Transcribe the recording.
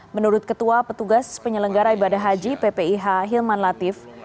menurut ketua petugas penyelenggara ibadah haji ppih hilman latif